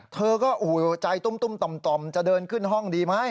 เธอก็โอ้โหใจตุ้มต่อมจะเดินขึ้นห้องดีไหม